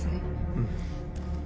うん。